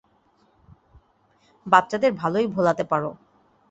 বাচ্চাদের ভালোই ভোলাতে পারো।